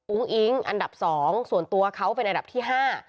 อิ๊งอันดับสองส่วนตัวเขาเป็นอันดับที่ห้า